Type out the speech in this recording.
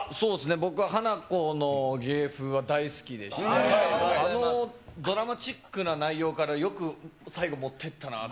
僕はハナコの芸風は大好きでして、あのドラマチックな内容から、よく最後持ってたなと。